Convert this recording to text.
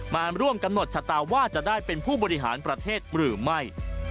มาร่วมกำหนดชะตาว่าจะได้เป็นผู้บริหารประเทศหรือไม่